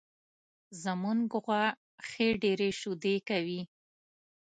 زمونږ غوا ښې ډېرې شیدې کوي